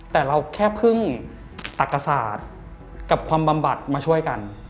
แต่เราแค่พึ่งตักกษาตกับความบำบัดมาช่วยกัน